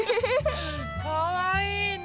かわいいね。